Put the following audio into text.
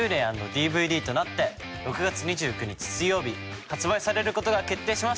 Ｂｌｕ−ｒａｙ＆ＤＶＤとなって６月２９日水曜日発売されることが決定しました。